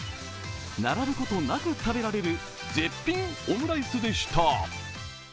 並ぶことなく食べられる絶品オムライスでした。